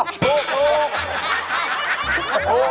ถูกถูก